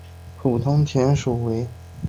普通田鼠为仓鼠科田鼠属的动物。